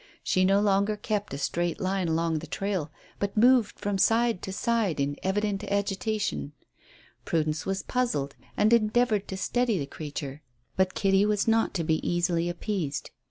She no longer kept a straight line along the trail, but moved from side to side in evident agitation. Prudence was puzzled and endeavoured to steady the creature. But Kitty was not to be easily appeased.